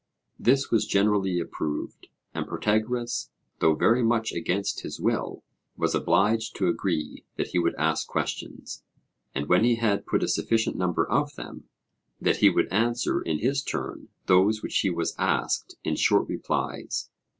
This was generally approved, and Protagoras, though very much against his will, was obliged to agree that he would ask questions; and when he had put a sufficient number of them, that he would answer in his turn those which he was asked in short replies.